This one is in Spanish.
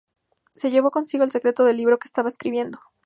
Se llevó consigo el secreto del libro que estaba escribiendo.